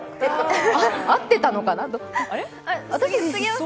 合ってたのかな？